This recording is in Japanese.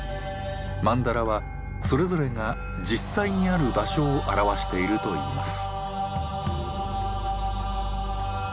曼荼羅はそれぞれが実際にある場所を表しているといいます。